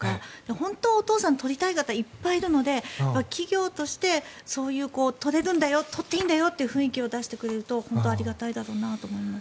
本当はお父さん、取りたい方いっぱいいるので企業としてそういう取れるんだよ取っていいんだよという雰囲気を出してくれると本当にありがたいなと思います。